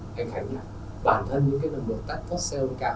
thành khánh là bản thân những cái nguồn test tốt sâu cao